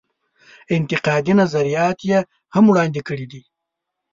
انتقادي نظرات یې هم وړاندې کړي دي.